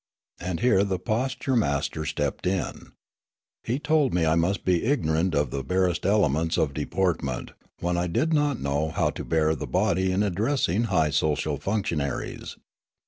And here the posture master stepped in. He told me I must be ignorant of the barest elements of deportment, when I did not know how to bear the body in addressing high social func tionaries.